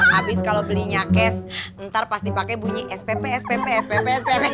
habis kalau belinya cash ntar pasti pakai bunyi spp spp sppspp